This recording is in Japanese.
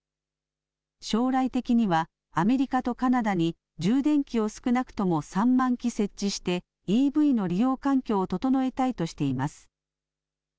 将来的にはアメリカとカナダに充電器を少なくとも３万基設置してＥＶの利用環境を整えたいとしています。